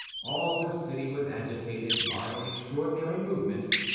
All the city was agitated by an extraordinary movement.